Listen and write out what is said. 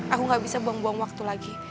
aku gak bisa buang buang waktu lagi